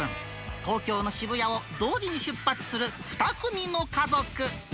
東京の渋谷を同時に出発する２組の家族。